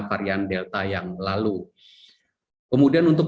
varian delta yang lalu kemudian untuk